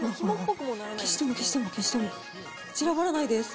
消しても、消しても、消しても散らばらないです。